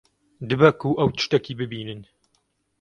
Dibe ku ew tiştekî bibînin.